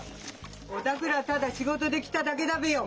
お宅らただ仕事で来ただけだべよ。